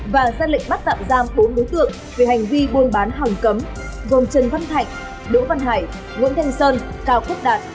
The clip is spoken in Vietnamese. và ra lệnh bắt tạm giam bốn đối tượng về hành vi buôn bán hàng cấm gồm trần văn thạnh đỗ văn hải nguyễn thanh sơn cao quốc đạt